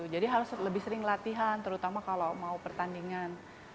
jadi harus lebih sering latihan terutama kalau mau pertandingan